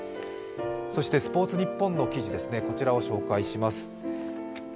そして「スポーツニッポン」の記事を紹介します。